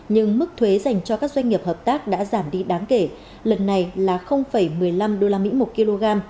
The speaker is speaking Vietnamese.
nhưng mức thuế dành cho các doanh nghiệp hợp tác đã giảm đi đáng kể lần này là một mươi năm usd một kg